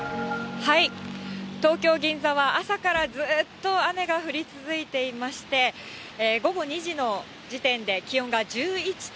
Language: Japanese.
東京・銀座は朝からずっと雨が降り続いていまして、午後２時の時点で気温が１１．７度。